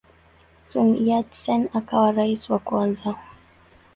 Sun Yat-sen akawa rais wa kwanza.